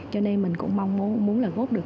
cho nên mình cũng mong muốn là góp được